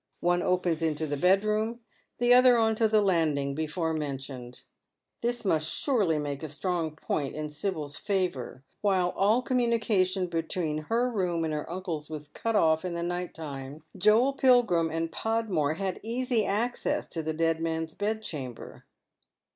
One opens into the bed room, the other on to the landing before mentioned. This must surely make a strong point in Sibyl's favour. While all communication between her room and her uncle's was cut oif in the night time, Joel Pilgrim and Podmore had easy access to the dead man's bedchamber.